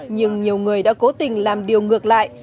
nhưng nhiều người đã cố tình làm điều ngược lại